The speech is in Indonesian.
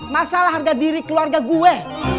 masalah harga diri keluarga gue